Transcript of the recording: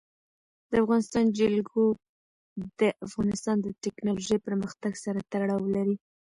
د افغانستان جلکو د افغانستان د تکنالوژۍ پرمختګ سره تړاو لري.